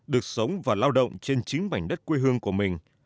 được sống và lao động trên chính mảnh đất quê hương của mình